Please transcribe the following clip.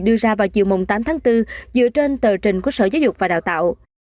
đưa ra vào chiều tám tháng bốn dựa trên tờ trình của sở giáo dục và đào tạo